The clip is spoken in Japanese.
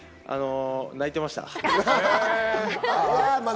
泣いてました。